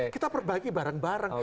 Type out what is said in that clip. kita perbaiki bareng bareng